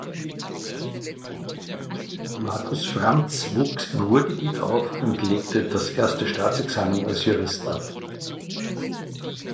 Markus Franz wuchs im Ruhrgebiet auf und legte das Erste Staatsexamen als Jurist ab.